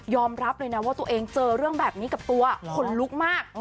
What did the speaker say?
รับเลยนะว่าตัวเองเจอเรื่องแบบนี้กับตัวขนลุกมาก